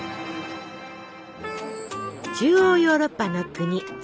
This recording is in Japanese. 中央ヨーロッパの国